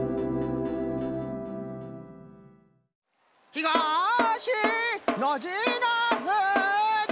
ひがしノジのふじ！